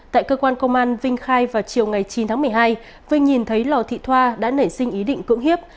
tại cơ quan công an vinh khai vào chiều ngày chín tháng một mươi hai vinh nhìn thấy lò thị thoa đã nảy sinh ý định cưỡng hiếp